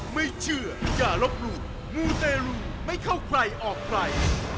ไม่เชื่ออย่าลบหลุกมูลเตรียมไม่เข้าใครออกไข่